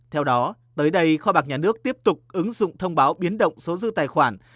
theo đó tới đây kho bạc nhà nước tiếp tục ứng dụng thông báo biến động số dư tài khoản